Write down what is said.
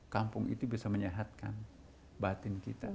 kampung itu bisa menyehatkan batin kita